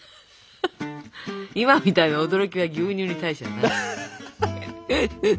今みたいな驚きは牛乳に対しての何？